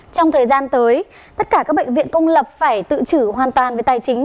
trong thời gian tới tất cả các bệnh viện công lập phải tự chủ hoàn toàn về tài chính